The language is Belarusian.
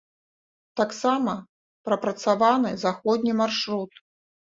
Таксама прапрацаваны заходні маршрут.